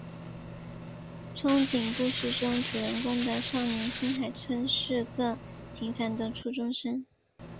憧憬故事中主人公的少年新海春是个平凡的初中生。